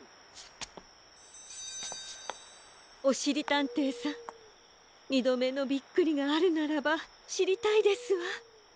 おしりたんていさんにどめのびっくりがあるならばしりたいですわ。